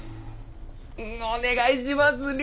お願いします